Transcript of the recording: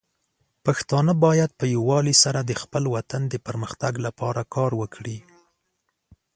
پښتانه بايد په يووالي سره د خپل وطن د پرمختګ لپاره کار وکړي.